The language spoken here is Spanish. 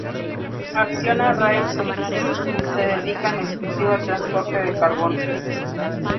Acciona Rail Services se dedica en exclusiva al transporte de carbón.